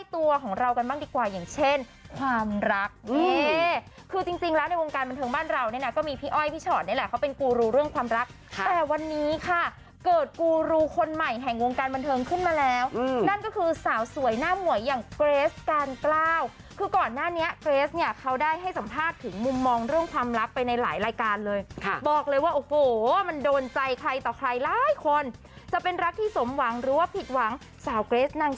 ตัวของเรากันบ้างดีกว่าอย่างเช่นความรักคือจริงแล้วในวงการบันเทิงบ้านเราเนี่ยก็มีพี่อ้อยพี่ชอดนี่แหละเขาเป็นกูรูเรื่องความรักแต่วันนี้ค่ะเกิดกูรูคนใหม่แห่งวงการบันเทิงขึ้นมาแล้วนั่นก็คือสาวสวยหน้าหมวยอย่างเกรสการกล้าวคือก่อนหน้านี้เกรสเนี่ยเขาได้ให้สัมภาษณ์ถึงมุมมองเรื่องค